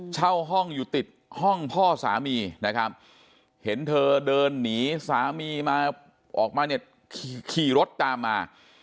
เช่าห้องอยู่ติดห้องพ่อสามีนะครับเห็นเธอเดินหนีสามีมาออกมาเนี่ยขี่รถตามมา